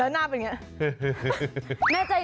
แล้วหน้าแบบนี้